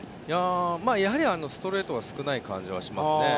やはりストレートが少ない感じがしますね。